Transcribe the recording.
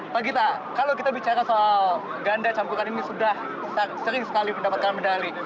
pak gita kalau kita bicara soal ganda campuran ini sudah sering sekali mendapatkan medali